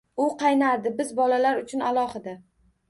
U qaynardi, biz bolalar uchun alohida.